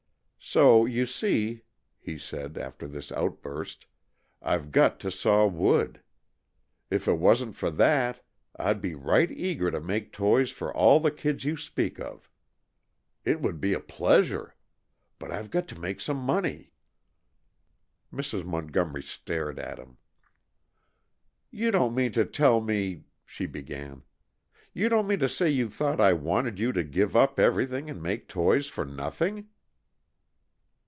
So you see," he said, after this outburst, "I've got to saw wood. If it wasn't for that I'd be right eager to make toys for all the kids you speak of. It would be a pleasure. But I've got to make some money." Mrs. Montgomery stared at him. "You don't mean to tell me " she began. "You don't mean to say you thought I wanted you to give up everything and make toys for _nothing?